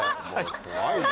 すごいね。